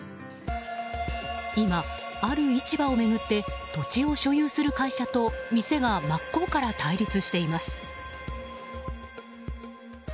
今、ある市場を巡って土地を所有する会社と店が真っ向から対立しています。